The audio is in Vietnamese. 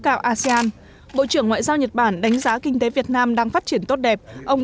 cao asean bộ trưởng ngoại giao nhật bản đánh giá kinh tế việt nam đang phát triển tốt đẹp ông